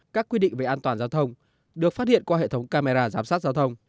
các quy định về an toàn giao thông được phát hiện qua hệ thống camera giám sát giao thông